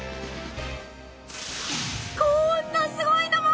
こんなすごいのも！